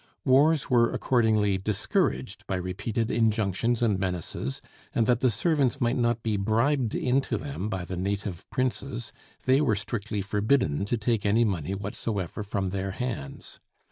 Wars were accordingly discouraged by repeated injunctions and menaces; and that the servants might not be bribed into them by the native princes, they were strictly forbidden to take any money whatsoever from their hands.